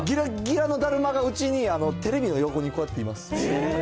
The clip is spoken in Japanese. ぎらっぎらのだるまがうちに、テレビの横にこうやっています。